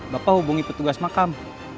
bapak hubungi petugas makam